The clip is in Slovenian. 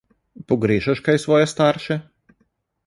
Pogrešaš kaj svoje starše?